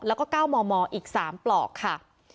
แล้วก็๙มมอีก๓ปลอกค่ะ